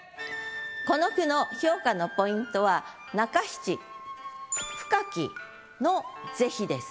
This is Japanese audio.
この句の評価のポイントは中七「深き」の是非です。